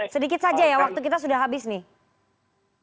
sedikit saja ya waktu kita sudah habis nih